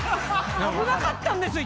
危なかったんですよ